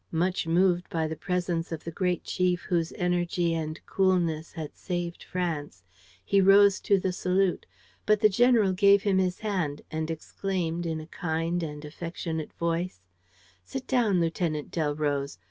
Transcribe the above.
Much moved by the presence of the great chief whose energy and coolness had saved France, he rose to the salute. But the general gave him his hand and exclaimed, in a kind and affectionate voice: "Sit down, Lieutenant Delroze. .